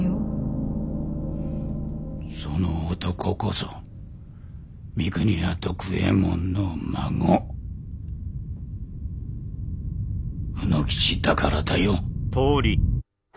その男こそ三国屋徳右衛門の孫卯之吉だからだよ。